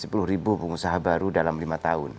ada sepuluh pengusaha baru dalam lima tahun